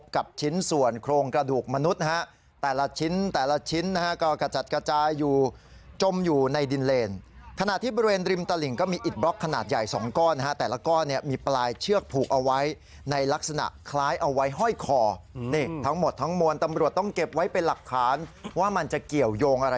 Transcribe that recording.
ชิ้นส่วนโครงกระดูกมนุษย์นะฮะแต่ละชิ้นแต่ละชิ้นนะฮะก็กระจัดกระจายอยู่จมอยู่ในดินเลนขณะที่บริเวณริมตลิ่งก็มีอิดบล็อกขนาดใหญ่สองก้อนนะฮะแต่ละก้อนเนี่ยมีปลายเชือกผูกเอาไว้ในลักษณะคล้ายเอาไว้ห้อยคอนี่ทั้งหมดทั้งมวลตำรวจต้องเก็บไว้เป็นหลักฐานว่ามันจะเกี่ยวยงอะไร